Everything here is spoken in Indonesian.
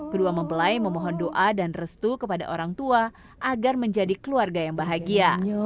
kedua mempelai memohon doa dan restu kepada orang tua agar menjadi keluarga yang bahagia